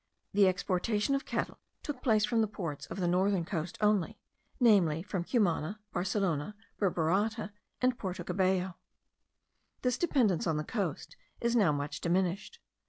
The exportation of cattle took place from the ports of the northern coast only, namely from Cumana, Barcelona, Burburata, and Porto Cabello. This dependence on the coast is now much diminished.